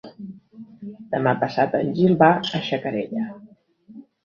Demà passat en Gil va a Xacarella.